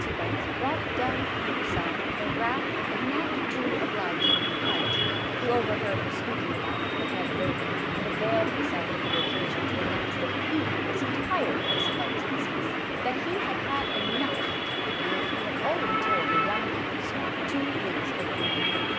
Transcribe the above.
149 quence, brought down upon herself the wrath of the not too obliging proprietor, who overheard her speaking about it to the head waiter, and availed himself of the occasion to announce that he was tired of this lunch business, that he had had enough of it, and that he had already told the young people so, two weeks ago.